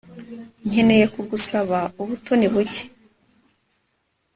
Nkeneye kugusaba ubutoni buke